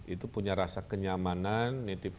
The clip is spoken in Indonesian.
itu punya rasa kenyamanan